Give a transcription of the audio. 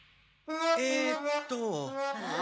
えっと。え？